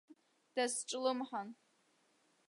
Дазҿлымҳан.